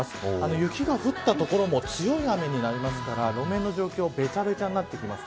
雪が降った所も強い雨になりますから路面の状況がべちゃべちゃになってきます。